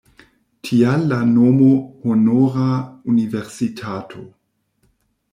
Tial la nomo 'Honora universitato'.